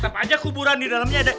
tetap aja kuburan di dalamnya ada